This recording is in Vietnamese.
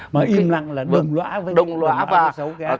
mà im lặng là đồng lõa với văn hóa của số khác